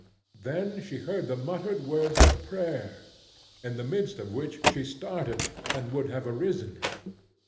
Then she heard the muttered words of prayer, in the midst of which she started and would have arisen.